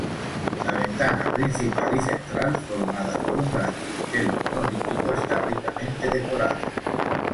La ventana principal y central, formada por un gran dintel monolítico, está ricamente decorada.